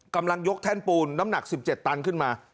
กำลังยกแท่นปูนน้ำหนัก๑๗ตันขึ้นมา